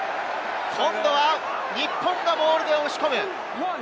今度は日本がモールで押し込む。